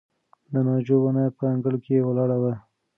د ناجو ونه په انګړ کې ولاړه وه.